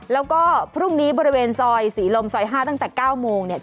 แล้วก็พรุ่งนี้บริเวณซอยศรีลมซอย๕ตั้งแต่๙โมงเนี่ย